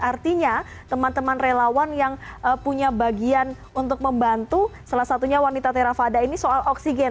artinya teman teman relawan yang punya bagian untuk membantu salah satunya wanita terafada ini soal oksigen